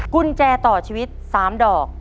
กุญแจต่อชีวิต๓ดอก